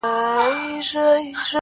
• نه هګۍ پرېږدي نه چرګه په کوڅه کي -